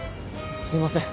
すいません。